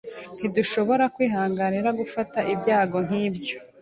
Ntidushobora kwihanganira gufata ibyago nkibyo.